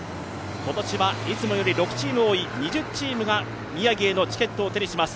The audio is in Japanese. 今年はいつもより６チーム多い２０チームが宮城へのチケットを手にします。